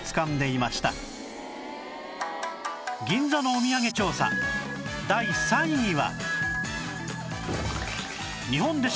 銀座のおみやげ調査第３位は